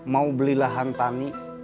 mau beli lahan tani